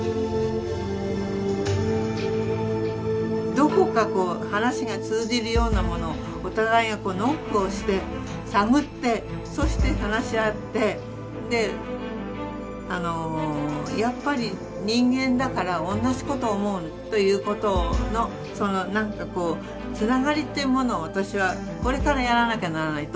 どこかこう話が通じるようなものをお互いがノックをして探ってそして話し合ってやっぱり人間だから同じことを思うということのその何かこうつながりというものを私はこれからやらなきゃならないと思ってますね。